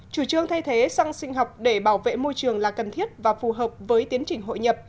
chủ trương thay thế xăng sinh học để bảo vệ môi trường là cần thiết và phù hợp với tiến trình hội nhập